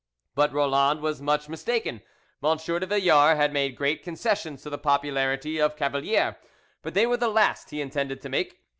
But Roland was much mistaken: M. de Villars had made great concessions to the popularity of Cavalier, but they were the last he intended to make.